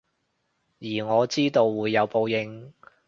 而我知道會有報應